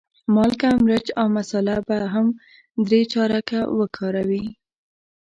مالګه، مرچ او مساله به هم درې چارکه وکاروې.